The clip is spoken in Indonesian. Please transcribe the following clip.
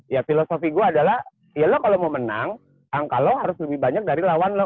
ya filosofi gue adalah ya lo kalau mau menang angka lo harus lebih banyak dari lawan lo